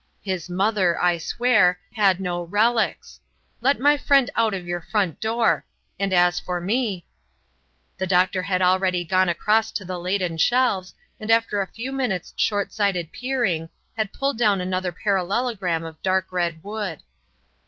His mother, I swear, had no relics. Let my friend out of your front door, and as for me " The doctor had already gone across to the laden shelves, and after a few minutes' short sighted peering, had pulled down another parallelogram of dark red wood.